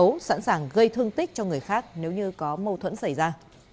trơn cũng sẵn sàng gây thương tích cho người khác nếu như có mâu thuẫn xảy ra